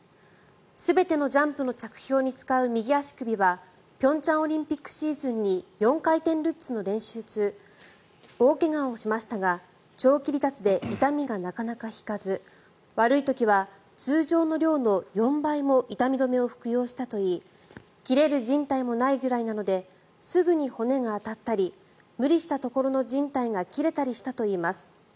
全てのジャンプの着氷に使う右足首は平昌オリンピックシーズンに４回転ルッツの練習中大怪我をしましたが長期離脱で痛みがなかなか引かず悪い時は通常の量の４倍も痛み止めを服用したといい切れるじん帯もないくらいなのですぐに骨が当たったり無理したところのじん帯が切れたりしたといいます。